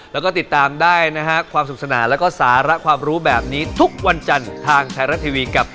แล้วก็ติดตามได้นะครับความศึกษาหนามีทุกวันจันทีทางไทรลัททีวีกับ